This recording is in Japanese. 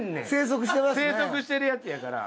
棲息してるやつやから。